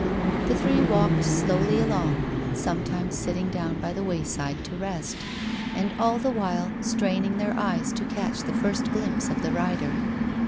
The three walked slowly along, sometimes sitting down by the wayside to rest, and all the while straining their eyes to catch the first glimpse of the rider.